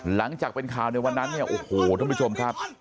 หลังจากเป็นข่าวในวันนั้นเนี่ยโอ้โหท่านผู้ชมครับ